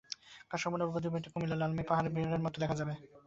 কাজ সম্পন্ন হলে বৌদ্ধবিহারটিকে কুমিল্লার লালমাই পাহাড়ের বিহারের মতো দেখা যাবে।